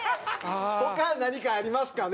他何かありますかね？